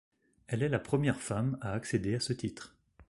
Elle est la première femme à accéder à ce titre.